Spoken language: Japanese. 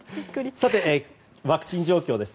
さて、ワクチン状況です。